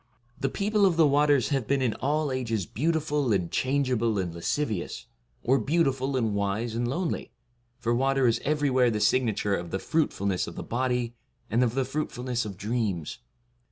The people of the waters have been in all ages 71 beautiful and changeable and lascivious, or beautiful and wise and lonely, for water is everywhere the signature of the fruitfulness of the body and of the fruitfulness of dreams.